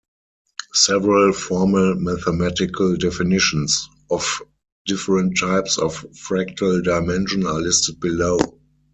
Several formal mathematical definitions of different types of fractal dimension are listed below.